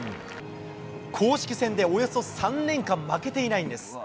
公式戦でおよそ３年間負けていないんです。